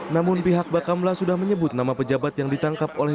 namun pihak bakamla sudah menyebut nama pejabat yang ditangkap oleh